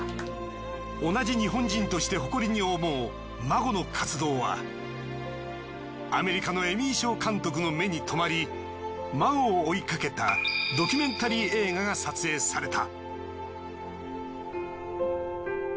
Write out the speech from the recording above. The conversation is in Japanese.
同じ日本人として誇りに思うＭＡＧＯの活動はアメリカのエミー賞監督の目に留まりＭＡＧＯを追いかけたドキュメンタリー映画が撮影された。